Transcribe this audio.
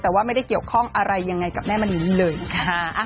แต่ว่าไม่ได้เกี่ยวข้องอะไรยังไงกับแม่มณีนี้เลยค่ะ